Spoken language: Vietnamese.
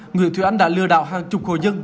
nguyễn thị oanh đã lừa đảo hàng chục khổ dân